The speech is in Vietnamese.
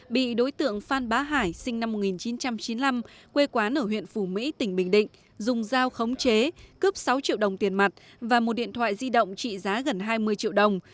bị đối tượng phan bá hải sinh năm một nghìn chín trăm chín mươi năm quê quán ở huyện phủ mỹ tỉnh bình định dùng dao khống chế cướp sáu triệu đồng tiền mặt và một điện thoại di động trị giá gần hai mươi triệu đồng